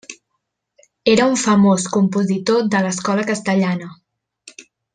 Era un famós compositor de l'escola castellana.